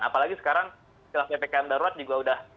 apalagi sekarang istilah ppkm darurat juga udah